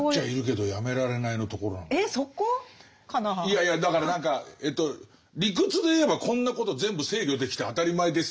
いやいやだから何か理屈で言えばこんなこと全部制御できて当たり前ですよ。